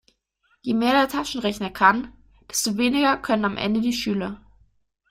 Je mehr der Taschenrechner kann, desto weniger können am Ende die Schüler.